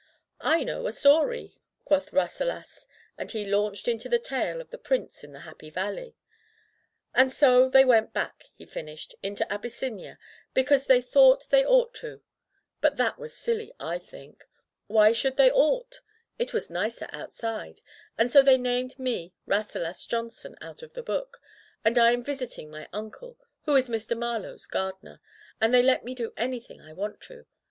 "I know a story," quoth Rasselas, and he launched into the tale of the prince in the Happy Valley. — "And so they went back," he finished, "into Abyssinia, because they thought they [ 170 ] Digitized by LjOOQ IC Rasselas in the Vegetable Kingdom ought to; but that was silly, / think. Why should they ought? It was nicer outside. And so they named me Rasselas Johnson out of the book, and I am visiting my uncle, who is Mr. Marlowe's gardener, and they let me do anything I want to.